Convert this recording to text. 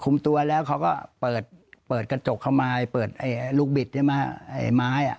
ตัวแล้วเขาก็เปิดเปิดกระจกเข้ามาเปิดไอ้ลูกบิดใช่ไหมไอ้ไม้อ่ะ